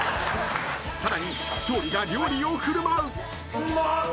更に勝利が料理を振る舞う。